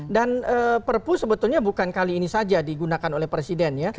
dan perpu sebetulnya bukan kali ini saja digunakan oleh presiden ya